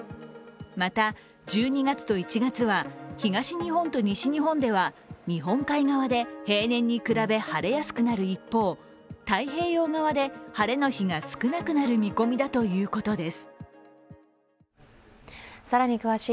また、１２月と１月は東日本と西日本では日本海側で平年に比べ晴れやすくなる一方太平洋側で晴れの日が少なくなる見込みだということです